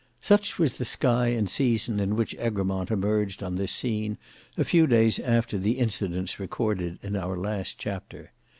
Such was the sky and season in which Egremont emerged on this scene a few days after the incidents recorded in our last chapter.